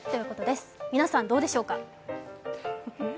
皆さんどうでしょうか？